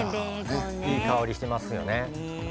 いい香りがしますよね。